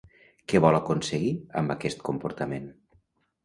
Què vol aconseguir amb aquest comportament?